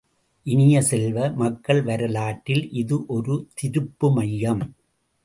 இனிய செல்வ, மக்கள் வரலாற்றில் இது ஒரு திருப்பு மையம்.